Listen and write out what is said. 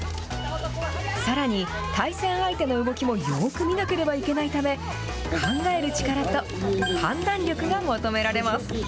さらに、対戦相手の動きもよーく見なければいけないため、考える力と判断力が求められます。